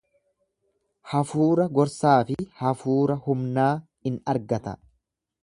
Hafuura gorsaa fi hafuura humnaa in argata.